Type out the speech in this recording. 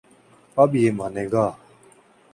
اب یہ مانے گا۔